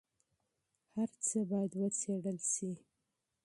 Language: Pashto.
هر څه باید وڅېړل سي.